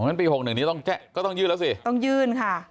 งั้นปี๖๑นี้ก็ต้องยื่นแล้วสิต้องยื่นค่ะ